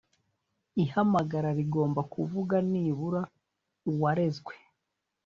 ihamagara rigomba kuvuga nibura uwarezwe